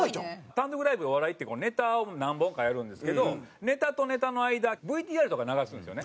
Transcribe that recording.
単独ライブお笑いってネタを何本かやるんですけどネタとネタの間ＶＴＲとか流すんですよね。